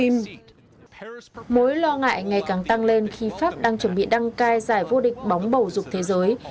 mối lo ngại ngày càng tăng lên khi pháp đang chuẩn bị đăng cai giải vô địch bóng bầu dục thế giới